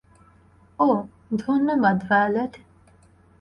ওহ, ধন্যবাদ, ভায়োলেট।